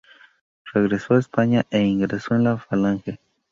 Regresó a España e ingresó en la Falange.